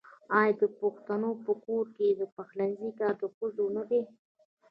آیا د پښتنو په کور کې د پخلنځي کار د ښځو نه دی؟